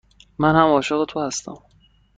من هم عاشق تو هستم.